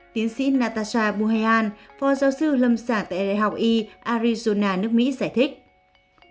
tiến sĩ natasha buheyan phó giáo sư lâm sản tại đại học e arizona nước mỹ giải thích